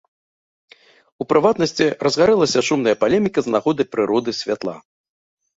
У прыватнасці, разгарэлася шумная палеміка з нагоды прыроды святла.